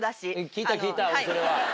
聞いた聞いたそれは。